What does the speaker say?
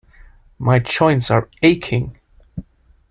My joints are aching.